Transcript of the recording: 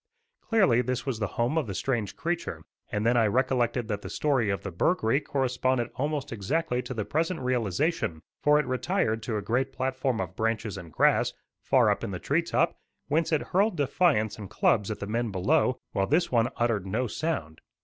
Clearly this was the home of the strange creature, and then I recollected that the story of the "Burghree" corresponded almost exactly to the present realization, for it retired to a great platform of branches and grass, far up in the tree top, whence it hurled defiance and clubs at the men below, while this one uttered no sound.